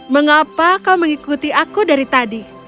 mengapa kau mengikuti aku dari tadi